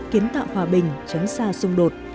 kiến tạo hòa bình chấn xa xung đột